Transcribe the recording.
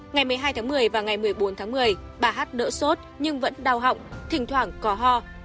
ngày một mươi hai tháng một mươi và ngày một mươi bốn tháng một mươi bà hát đỡ sốt nhưng vẫn đau họng thỉnh thoảng có ho